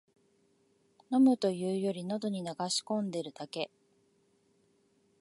飲むというより、のどに流し込んでるだけ